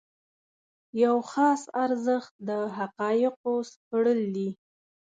یو خاص ارزښت د حقایقو سپړل دي.